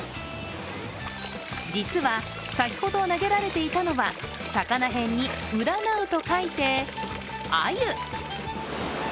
実は先ほど投げられていたのは魚へんに占うと書いて鮎。